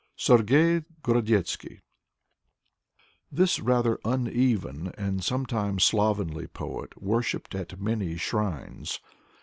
Sergey Gorodetzky (1884 1921) Thii rather uneven and sometimes slovenly poet worshiped at many shrines.